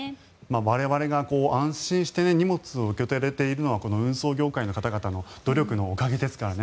我々が安心して荷物を受け取れているのはこの運送業界の方々の努力のおかげですからね。